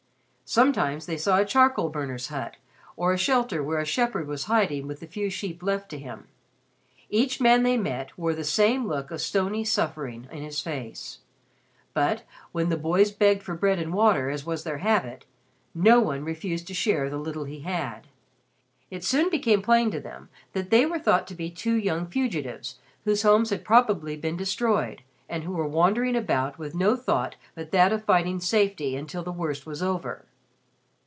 Sometimes they saw a charcoal burner's hut or a shelter where a shepherd was hiding with the few sheep left to him. Each man they met wore the same look of stony suffering in his face; but, when the boys begged for bread and water, as was their habit, no one refused to share the little he had. It soon became plain to them that they were thought to be two young fugitives whose homes had probably been destroyed and who were wandering about with no thought but that of finding safety until the worst was over.